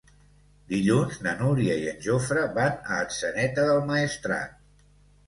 Dilluns na Núria i en Jofre van a Atzeneta del Maestrat.